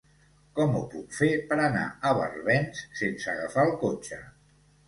Com ho puc fer per anar a Barbens sense agafar el cotxe?